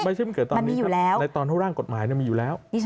ไม่ใช่เพิ่งเกิดตอนนี้ครับในตอนเท่าร่างกฎหมายมันมีอยู่แล้วมันมีอยู่แล้ว